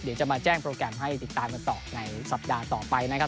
เดี๋ยวจะมาแจ้งโปรแกรมให้ติดตามกันต่อในสัปดาห์ต่อไปนะครับ